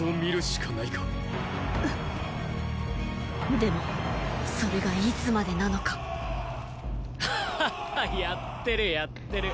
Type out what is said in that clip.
でもそれがいつまでなのかはっはやってるやってる。